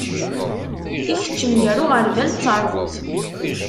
Ikeččem gar uɣeṛbal d teṛbuḍt.